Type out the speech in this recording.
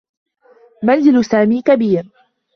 منزل سامي كبير.